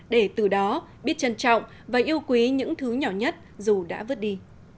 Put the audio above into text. để từ đó biết trân trọng và yêu quý những thứ nhỏ nhất dù đã vứt đi